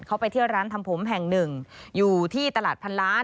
เขาไปเที่ยวร้านทำผมแห่งหนึ่งอยู่ที่ตลาดพันล้าน